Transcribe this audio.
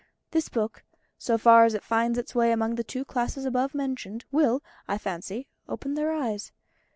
This book, so far as it finds its way among the two classes above mentioned, will, I fancy, open their eyes.